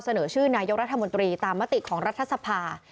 เสนอชื่อนายกรัฐมนตรีตามมติของรัฐสภา